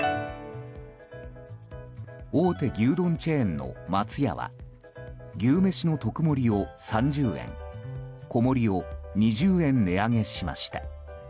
大手牛丼チェーンの松屋は牛めしの特盛を３０円小盛を２０円値上げしました。